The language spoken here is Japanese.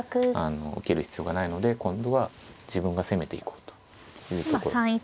受ける必要がないので今度は自分が攻めていこうというところです。